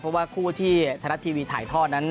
เพราะว่าคู่ที่ไทยรัฐทีวีถ่ายทอดนั้น